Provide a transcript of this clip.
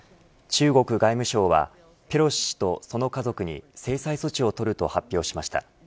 中国外務省は、ペロシ氏とその家族に制裁措置を取ると発表しました。